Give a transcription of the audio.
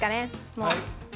もう。